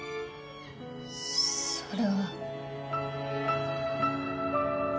それは。